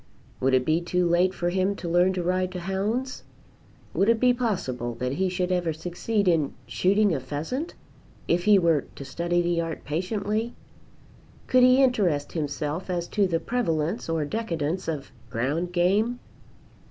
Would it be too late for him to learn to ride to hounds? Would it be possible that he should ever succeed in shooting a pheasant, if he were to study the art patiently? Could he interest himself as to the prevalence or decadence of ground game?